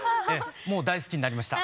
もう大好きになりました。